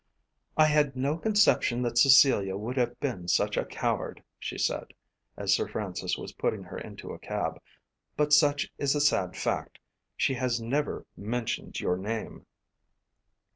"I had no conception that Cecilia would have been such a coward," she said, as Sir Francis was putting her into a cab, "but such is the sad fact. She has never mentioned your name."